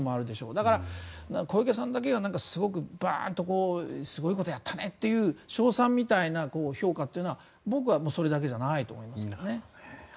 だから、小池さんだけがすごくバーンとすごいことやったねっていう称賛みたいな評価というのは僕はそれだけじゃないと思いますけどね。